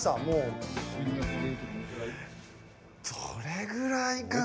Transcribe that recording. どれぐらいかな？